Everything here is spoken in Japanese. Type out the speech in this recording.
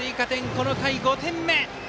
この回５点目！